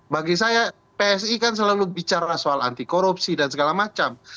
bagi saya psi kan selalu bicara soal anti korupsi dan segala macam